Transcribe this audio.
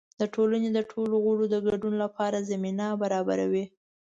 د ټولنې د ټولو غړو د ګډون لپاره زمینه برابروي.